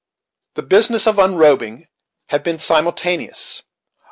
The business of unrobing had been simultaneous.